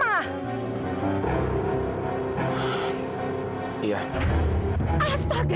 sampai kamu berani menculik camilla